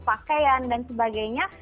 pakaian dan sebagainya